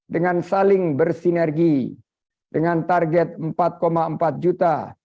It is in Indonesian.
dengan saling bersinergi dengan target empat empat juta